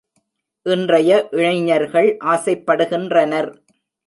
இன்றைய இளைஞர்கள் ஆசைப்படுகின்றனர்.